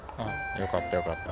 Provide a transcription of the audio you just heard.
よかったよかった。